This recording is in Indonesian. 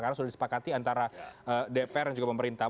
karena sudah disepakati antara dpr dan juga pemerintah